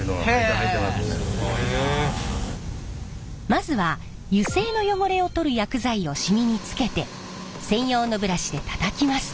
まずは油性の汚れを取る薬剤をしみにつけて専用のブラシでたたきます。